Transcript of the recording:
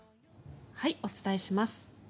お伝えします。